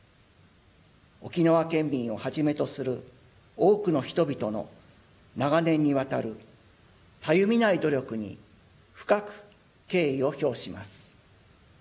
沖縄県民をはじめとする多くの人々の長年にわたるたゆみない努力に深く敬意を表します。